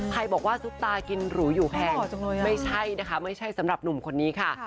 ใครบอกว่าซุปตากินหรูอยู่แพงไม่ใช่นะคะไม่ใช่สำหรับหนุ่มคนนี้ค่ะ